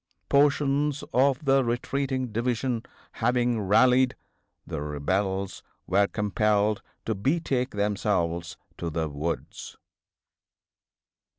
Portions of the retreating division having rallied, the rebels were compelled to betake themselves to the woods."